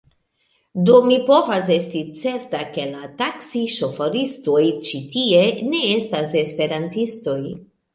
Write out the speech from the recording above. Do mi povas esti certa, ke la taksi-ŝoforistoj ĉi tie ne estas Esperantistoj.